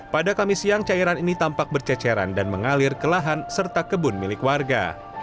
pada kamis siang cairan ini tampak berceceran dan mengalir ke lahan serta kebun milik warga